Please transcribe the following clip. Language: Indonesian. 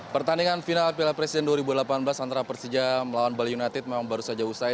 pertandingan final piala presiden dua ribu delapan belas antara persija melawan bali united memang baru saja usai